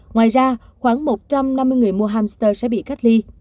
ngoài ra khoảng một trăm năm mươi người mua hamster sẽ bị cách ly